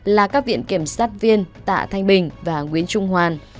là các viện kiểm sát viên tạ thanh bình và nguyễn trung hoàn